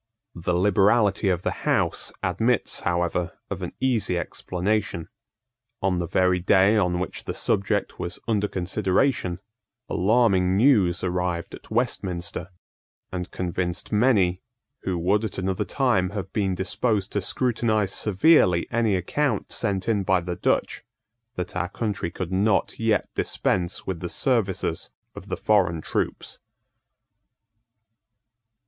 The liberality of the House admits however of an easy explanation. On the very day on which the subject was under consideration, alarming news arrived at Westminster, and convinced many, who would at another time have been disposed to scrutinise severely any account sent in by the Dutch, that our country could not yet dispense with the services of the foreign troops.